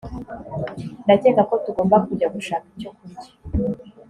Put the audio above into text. ndakeka ko tugomba kujya gushaka icyo kurya